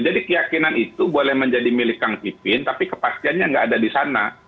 jadi keyakinan itu boleh menjadi milik kang pipin tapi kepastiannya enggak ada di sana